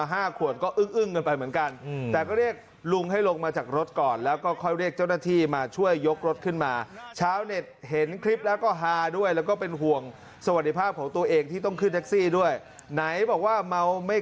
ถามให้ได้ไม่ว่าถ้าเกิดเมาแล้วกลับยังไง